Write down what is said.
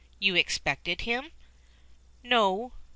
"You expected him?" "No."